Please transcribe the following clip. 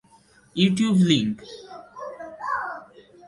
YouTube link